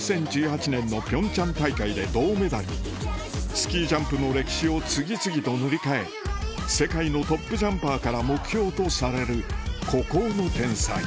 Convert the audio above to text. スキージャンプの歴史を次々と塗り替え世界のトップジャンパーから目標とされる